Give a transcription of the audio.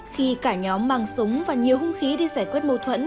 khi cả nhóm mang súng và nhiều hung khí đi giải quyết mâu thuẫn